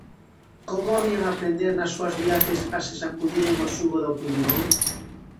Como habían aprender nas súas viaxes a se sacudiren o xugo da opinión?